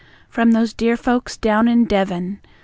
From those dear folks down in Devon!